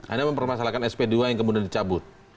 anda mempermasalahkan sp dua yang kemudian dicabut